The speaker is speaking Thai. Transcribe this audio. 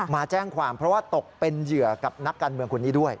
มาแจ้งความเพราะว่าตกเป็นเหยื่อกับนักการเมืองคนนี้ด้วย